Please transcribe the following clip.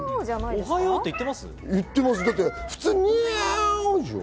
おはようって言ってるよ。